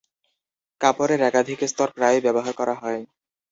কাপড়ের একাধিক স্তর প্রায়ই ব্যবহার করা হয়।